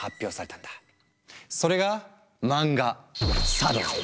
それが漫画「サ道」。